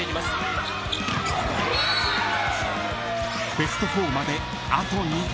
［ベスト４まであと２点］